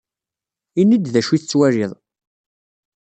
Ini-iyi-d d acu i tettwaliḍ.